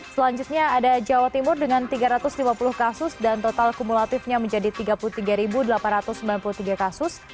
selanjutnya ada jawa timur dengan tiga ratus lima puluh kasus dan total kumulatifnya menjadi tiga puluh tiga delapan ratus sembilan puluh tiga kasus